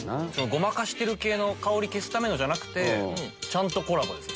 ごまかしてる系の香り消すためのじゃなくてちゃんとコラボです。